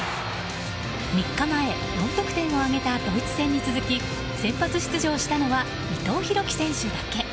３日前４得点を挙げたドイツ戦に続き先発出場したのは伊藤洋輝選手だけ。